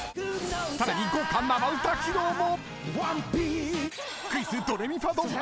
［さらに豪華生歌披露も］